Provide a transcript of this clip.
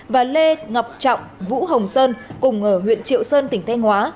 và lê ngọc trọng vũ hồng sơn cùng ở huyện triệu sơn tỉnh thanh hóa